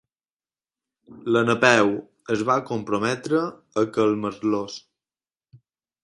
La Napeu es va comprometre a calmar-los.